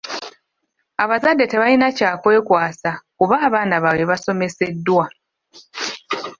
Abazadde tebalina kya kwekwasa kuba abaana baabwe basomeseddwa.